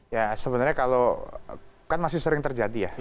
ya sebenarnya kalau kan masih sering terjadi ya